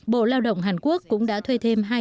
bộ lao động hàn quốc cũng đã thuê thêm